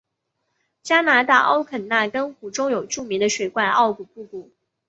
加拿大欧肯纳根湖中有著名的水怪奥古布古。